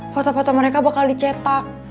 foto foto mereka bakal dicetak